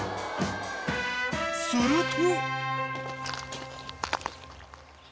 ［すると］